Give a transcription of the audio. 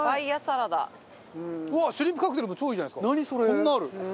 こんなある。